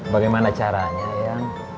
bagaimana caranya ya